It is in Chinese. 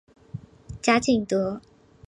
贾景德。